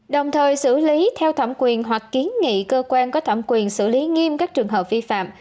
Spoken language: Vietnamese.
đồng thời xử lý theo thẩm quyền hoặc kiến nghị cơ quan có thẩm quyền xử lý nghiêm các trường hợp vi phạm